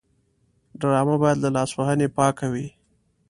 ډرامه باید له لاسوهنې پاکه وي